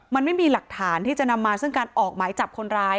มันไม่มีหลักฐานที่จะนำมาซึ่งการออกหมายจับคนร้าย